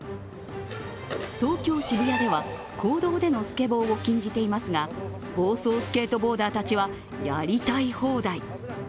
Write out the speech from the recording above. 東京・渋谷では公道でのスケボーを禁じていますが暴走スケートボーダーたちは、やりたい放題。